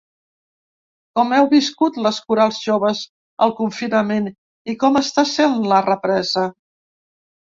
Com heu viscut les corals joves el confinament i com està sent la represa?